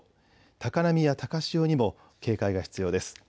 高波や高潮にも警戒が必要です。